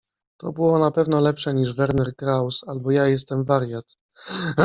To było na pewno lepsze niż Werner Kraus, albo ja jestem wariat.